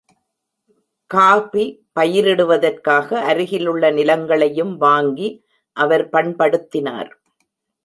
Coffee பயிரிடுவதற்காக அருகிலுள்ள நிலங்களையும் வாங்கி அவர் பண்படுத்தினார்.